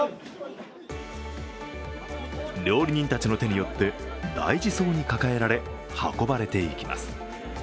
料理人たちの手によって大事そうに抱えられ運ばれていきます。